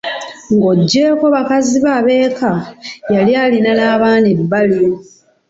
Ng'oggyeko bakazi be ab'eka, yali alina n'abaana ebbali.